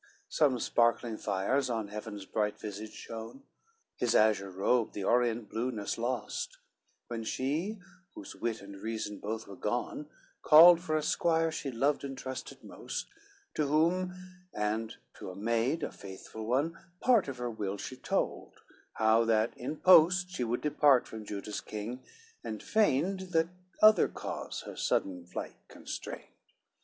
XC Some sparkling fires on heaven's bright visage shone; His azure robe the orient blueness lost, When she, whose wit and reason both were gone, Called for a squire she loved and trusted most, To whom and to a maid, a faithful one, Part of her will she told, how that in post She would depart from Juda's king, and feigned That other cause her sudden flight constrained.